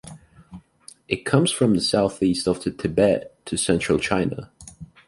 It comes from the Southeast of the Tibet to central China.